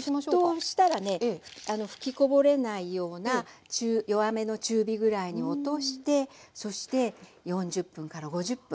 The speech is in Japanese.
沸騰したらね吹きこぼれないような弱めの中火ぐらいに落としてそして４０５０分。